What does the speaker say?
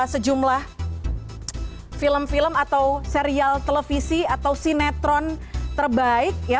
sejumlah film film atau serial televisi atau sinetron terbaik ya